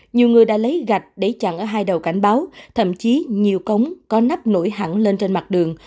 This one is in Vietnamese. nhiều người đã lấy gạch để chặn ở hai đầu cảnh báo thậm chí nhiều cống có nắp nổi hẳn lên trên mặt đường